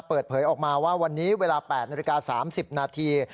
เปิดเผยออกมาว่าวันนี้เวลา๘นาฬิกา๓๐นาที